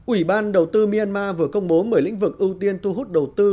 ủy ban đầu tư myanmar vừa công bố một mươi lĩnh vực ưu tiên tu hút đầu tư